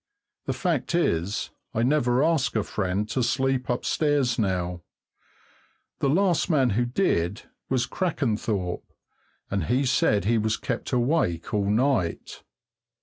The fact is, I never ask a friend to sleep upstairs now. The last man who did was Crackenthorpe, and he said he was kept awake all night.